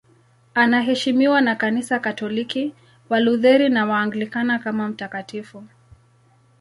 Anaheshimiwa na Kanisa Katoliki, Walutheri na Waanglikana kama mtakatifu.